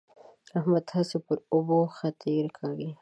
احمد هسې پر اوبو خطې کاږي.